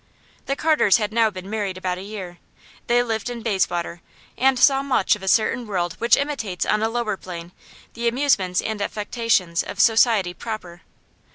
The Carters had now been married about a year; they lived in Bayswater, and saw much of a certain world which imitates on a lower plane the amusements and affectations of society proper.